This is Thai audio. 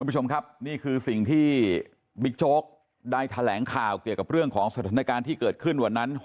คุณผู้ชมครับนี่คือสิ่งที่บิ๊กโจ๊กได้แถลงข่าวเกี่ยวกับเรื่องของสถานการณ์ที่เกิดขึ้นวันนั้น